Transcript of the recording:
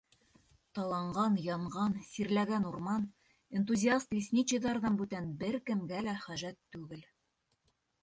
— Таланған, янған, сирләгән урман энтузиаст-лесничийҙарҙан бүтән бер кемгә лә хәжәт түгел.